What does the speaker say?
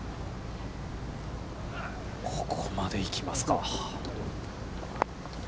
ここまで行きますか。